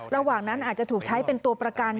ระหว่างนั้นอาจจะถูกใช้เป็นตัวประกัน